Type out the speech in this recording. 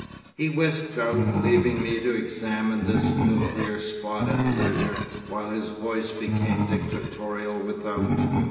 He whisked out, leaving me to examine this nuclear spot at leisure while his voice became dictatorial without.